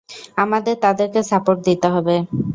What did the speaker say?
আমাদের তাদেরকে সাপোর্ট দিতে হবে।